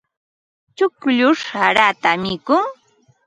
Chukllush sarata mikun.